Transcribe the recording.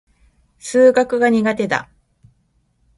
数学が苦手だ。